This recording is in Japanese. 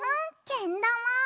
けんだま！